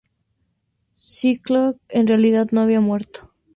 Psylocke en realidad no había muerto.